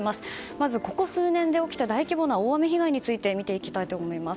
まず、ここ数年で起きた大規模な大雨被害について見ていきたいと思います。